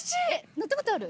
乗ったことある？